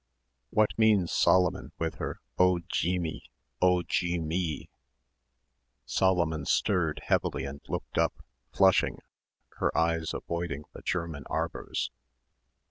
"What means Solomon, with her 'Oh, Djimmee,' 'oh, Djim_mee_'?" Solomon stirred heavily and looked up, flushing, her eyes avoiding the German arbours.